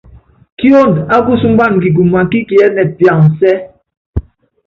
Kiondo ákusúmbana kikuma kí kiɛ́nɛ piansɛ́.